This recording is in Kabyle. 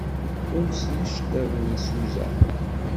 Umsen yiceṭṭiḍen n Susan.